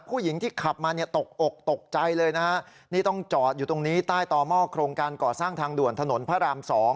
ผู้หญิงที่ขับมาเนี่ยตกอกตกใจเลยนะฮะนี่ต้องจอดอยู่ตรงนี้ใต้ต่อหม้อโครงการก่อสร้างทางด่วนถนนพระราม๒